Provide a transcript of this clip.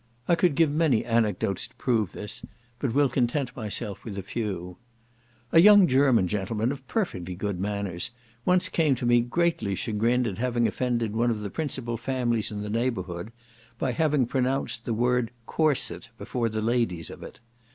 I could give many anecdotes to prove this, but will content myself with a few. A young German gentleman of perfectly good manners, once came to me greatly chagrined at having offended one of the principal families in the neighbourhood, by having pronounced the word corset before the ladies of it.